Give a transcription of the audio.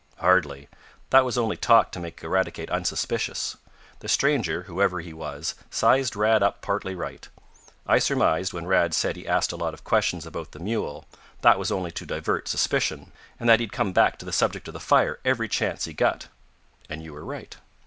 "Hardly. That was only talk to make Eradicate unsuspicious. The stranger, whoever he was, sized Rad up partly right. I surmised, when Rad said he asked a lot of questions about the mule, that was only to divert suspicion, and that he'd come back to the subject of the fire every chance he got." "And you were right."